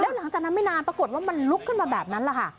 หลังจากนั้นไม่นานปรากฏว่ามันลุกขึ้นมาแบบนั้นแหละค่ะ